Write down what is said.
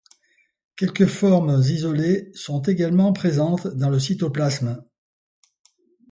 Quelques formes isolées sont également présentes dans le cytoplasme.